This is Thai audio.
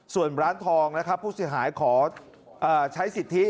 ส่วนร้านทองนะครับผู้เสียหายขอใช้สิทธิ